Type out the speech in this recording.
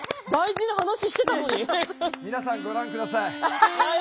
皆さんご覧ください。